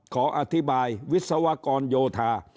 ขออธิบายวิศวกรโยธา